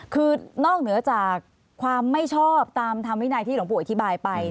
คือนอกเหนือจากความไม่ชอบตามธรรมวินัยที่หลวงปู่อธิบายไป